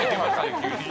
急に」